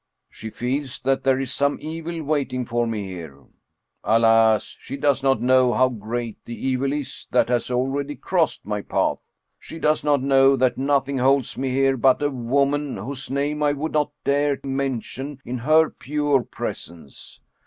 She feels that there is some evil waiting for me here alas ! she does not know how great the evil is that has already crossed my path she does not know that nothing holds me here but a woman whose name I would not dare mention in her pure presence.